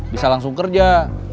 bisa langsung kerja